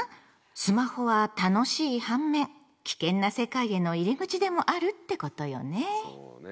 スマホは楽しい反面危険な世界への入り口でもあるってことよね。